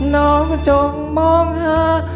น้องจงมองหา